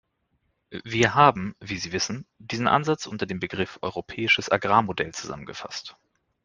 Wir haben, wie Sie wissen, diesen Ansatz unter dem Begriff "Europäisches Agrarmodell" zusammengefasst.